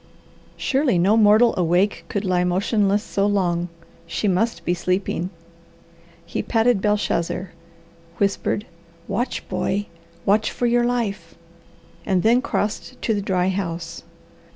Surely no mortal awake could lie motionless so long. She must be sleeping. He patted Belshazzar, whispered, "Watch, boy, watch for your life!" and then crossed to the dry house.